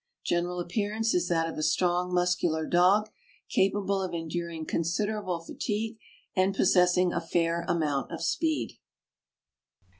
General appearance is that of a strong, muscular dog, capable of enduring considerable fatigue, and possessing a fair amount of speed.